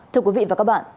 thưa quý vị và các bạn